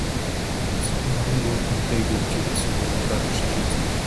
Эцэст нь хамгийн үр дүнтэй гэж үзсэн хувилбараа туршиж үзнэ.